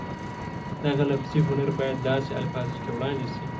دغه لفظي هنر باید داسې الفاظو کې وړاندې شي